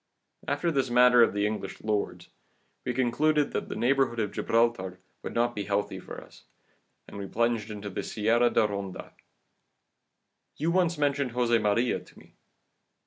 After this matter of the English lords, we concluded that the neighbourhood of Gibraltar would not be healthy for us, and we plunged into the Sierra de Ronda. You once mentioned Jose Maria to me.